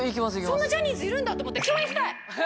そんなジャニーズいるんだと思って。